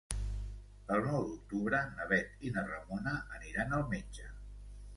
El nou d'octubre na Bet i na Ramona aniran al metge.